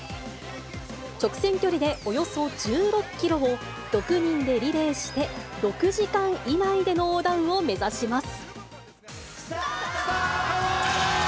直線距離でおよそ１６キロを６人でリレーして、６時間以内での横断を目指します。